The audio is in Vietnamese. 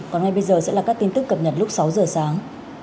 còn ngay bây giờ sẽ là các tin tức cập nhật lúc sáu giờ sáng